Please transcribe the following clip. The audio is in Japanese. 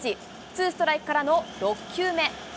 ツーストライクからの６球目。